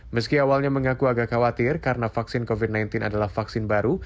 meski awalnya mengaku agak khawatir karena vaksin covid sembilan belas adalah vaksin baru